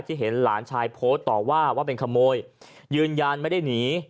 เห็นหลานชายโพสต์ต่อว่าว่าเป็นขโมยยืนยันไม่ได้หนี